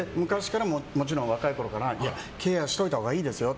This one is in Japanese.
もちろん若いころからケアをしておいたほうがいいですよ